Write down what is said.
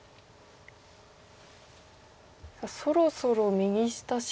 そろそろ右下白